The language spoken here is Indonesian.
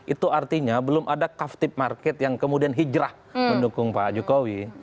itu artinya belum ada kaftip market yang kemudian hijrah mendukung pak jokowi